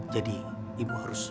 jadi ibu harus sabar